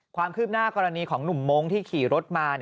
ความคืบหน้ากรณีของหนุ่มมงค์ที่ขี่รถมา